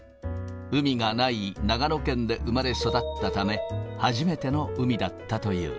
海がない長野県で生まれ育ったため、初めての海だったという。